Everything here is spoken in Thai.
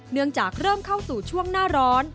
เนื่องจากเริ่มเข้าสู่ช่วงหน้าร้อน